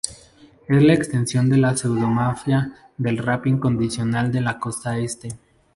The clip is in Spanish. Es la extensión de la pseudo-Mafia del rap incondicional de la costa este.